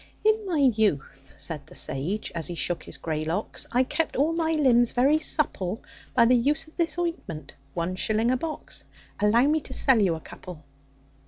"In my youth," said the sage, as he shook his grey locks, "I kept all my limbs very supple By the use of this ointment one shilling a box Allow me to sell you a couple?"